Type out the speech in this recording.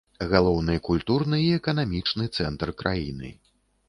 Галоўны культурны і эканамічны цэнтр краіны.